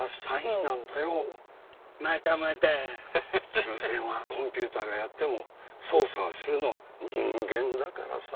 抽選はコンピューターがやっても操作をするのは人間だからさ。